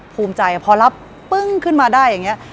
ภูมิใจพอรับปึ้งขึ้นมาได้อย่างนี้